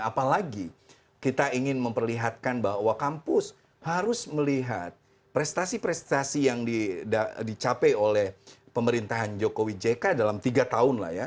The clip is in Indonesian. apalagi kita ingin memperlihatkan bahwa kampus harus melihat prestasi prestasi yang dicapai oleh pemerintahan jokowi jk dalam tiga tahun lah ya